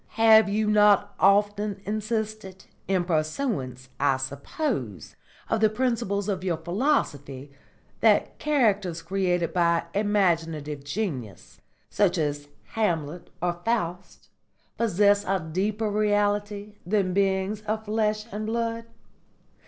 Have you not often insisted, in pursuance, I suppose, of the principles of your philosophy, that characters created by imaginative genius, such as Hamlet or Faust, possess a deeper reality than beings of flesh and blood?